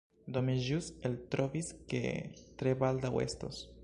Do mi ĵus eltrovis ke tre baldaŭ estos